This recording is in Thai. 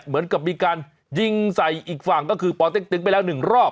เหมือนกับมีการยิงใส่อีกฝั่งก็คือปเต็กตึงไปแล้วหนึ่งรอบ